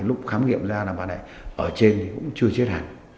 lúc khám nghiệm ra là bà này ở trên thì cũng chưa chết hẳn